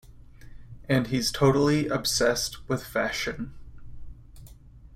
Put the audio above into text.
And he's totally obsessed with fashion.